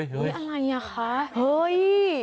เฮ้ยอะไรอ่ะคะเฮ้ย